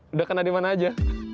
udah kena di mana aja